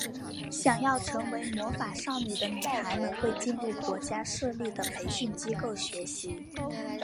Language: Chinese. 想要成为魔法少女的女孩们会进入国家设立的培训机构学习。